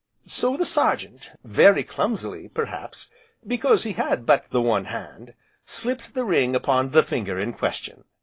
So the Sergeant, very clumsily, perhaps, because he had but the one hand, slipped the ring upon the finger in question.